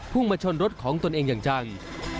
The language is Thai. มาชนรถของตนเองอย่างจัง